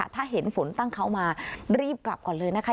ถ้าเห็นฝนตั้งเขามารีบกลับก่อนเลยนะคะ